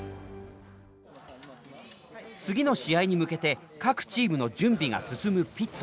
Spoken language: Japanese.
次の試合に向けて各チームの準備が進むピット。